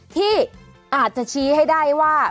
ที่อาจจะชี้ให้ได้ว่า